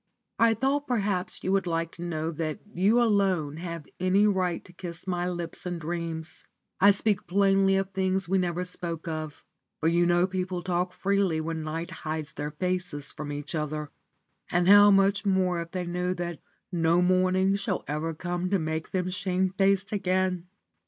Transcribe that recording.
I thought perhaps you would like to know that you alone have any right to kiss my lips in dreams. I speak plainly of things we never spoke of, for you know people talk freely when night hides their faces from each other, and how much more if they know that no morning shall ever come to make them shamefaced again!